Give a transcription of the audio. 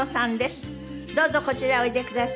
どうぞこちらへおいでください。